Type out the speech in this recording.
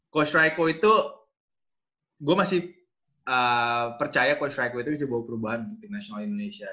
coach rajko itu gue masih percaya coach rajko itu bisa bawa perubahan untuk timnasional indonesia